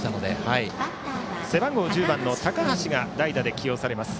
背番号１０番の高橋が代打で起用されます。